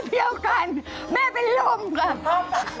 เดียวกันแม่เป็นลมค่ะ